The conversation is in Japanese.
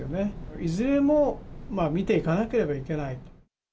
いずれも診ていかなければいけない。